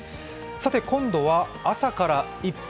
今度は「朝から１分！